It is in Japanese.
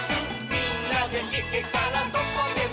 「みんなでいけたらどこでもイス！」